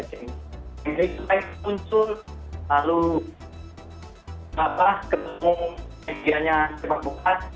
jadi itu yang muncul lalu gak parah ketemu medianya sepak bola